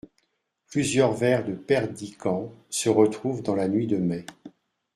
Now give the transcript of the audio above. Plusieurs vers de Perdican se retrouvent dans la Nuit de Mai.